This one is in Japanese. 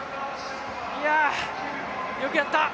いや、よくやった！